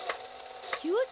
きゅうじ